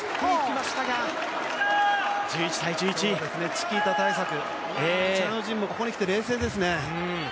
チキータ対策、チャン・ウジンもここに来て冷静ですね。